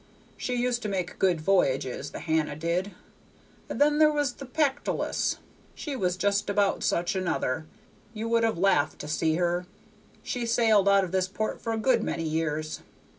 She used to make good voyages, the Hannah did, and then there was the Pactolus; she was just about such another, you would have laughed to see her. She sailed out of this port for a good many years.